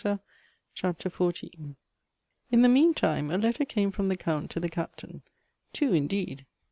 I CHAPTER XrV. N the mean time a letter came fi om the Count to the Captain — two, indeed.